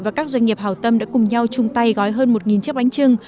và các doanh nghiệp hào tâm đã cùng nhau chung tay gói hơn một chiếc bánh trưng